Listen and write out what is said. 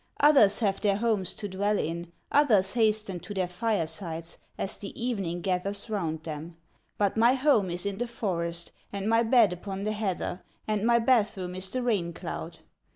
Others have their homes to dwell in, Others hasten to their firesides As the evening gathers round them: But my home is in the forest, And my bed upon the heather, And my bath room is the rain cloud.